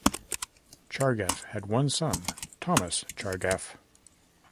Chargaff had one son, Thomas Chargaff.